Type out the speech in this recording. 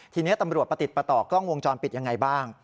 ทีนี้ตำรวจประติดประต่อกล้องวงจรปิดยังไงบ้าง